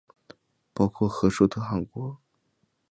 包括和硕特汗国。